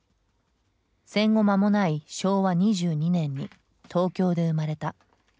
戦後間もない昭和２２年に東京で生まれた。